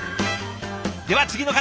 では次の方！